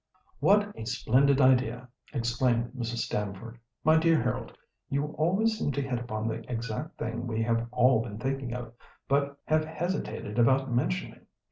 "What a splendid idea!" exclaimed Mrs. Stamford; "my dear Harold, you always seem to hit upon the exact thing we have all been thinking of but have hesitated about mentioning.